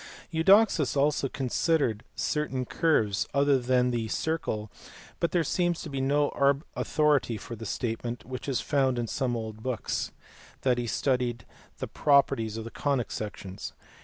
Eudoxus also considered certain curves other than the circle, but there seems to be no authority for the statement, which is found in some old books, that he studied the properties of the conic sections.